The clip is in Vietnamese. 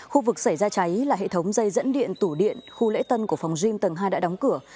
khu vực xảy ra cháy là hệ thống dây dẫn điện tủ điện khu lễ tân của phòng gym tầng hai đã đóng cửa